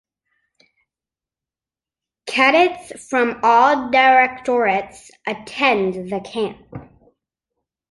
Cadets from all directorates attend the camp.